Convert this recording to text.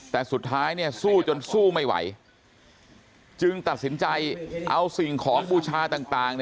แต่สุดท้ายสู้จนสู้ไม่ไหวจึงตัดสินใจเอาสิ่งของบูชาต่าง